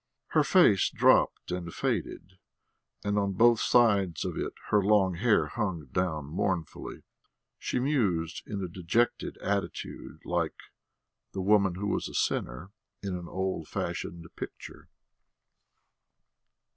Her face dropped and faded, and on both sides of it her long hair hung down mournfully; she mused in a dejected attitude like "the woman who was a sinner" in an old fashioned picture.